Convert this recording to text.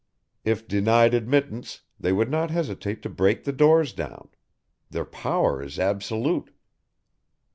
If denied admittance they would not hesitate to break the doors down. Their power is absolute."